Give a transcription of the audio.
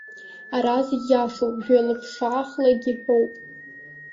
Ара зегь иашоуп, жәа-лыԥшаахлагь иҳәоуп.